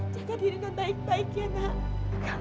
jaga diri non baik baik ya nak